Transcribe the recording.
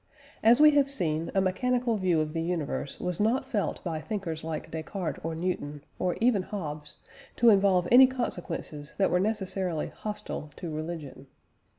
As we have seen, a mechanical view of the universe was not felt by thinkers like Descartes or Newton, or even Hobbes, to involve any consequences that were necessarily hostile to religion.